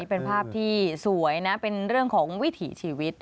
เป็นภาพที่สวยนะเป็นเรื่องของวิถีชีวิต